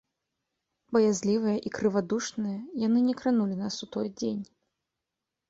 Баязлівыя і крывадушныя, яны не кранулі нас у той дзень.